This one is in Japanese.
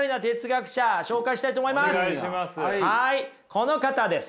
この方です。